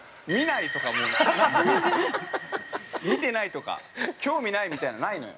◆見てないとか、興味ないみたいなの、ないのよ。